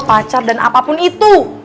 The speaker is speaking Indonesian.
pacar dan apapun itu